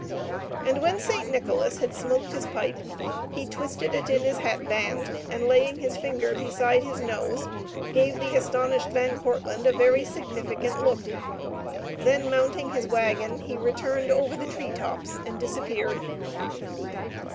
And when St. Nicholas had smoked his pipe he twisted it in his hatband, and laying his finger beside his nose, gave the astonished Van Kortlandt a very significant look, then mounting his wagon, he returned over the treetops and disappeared.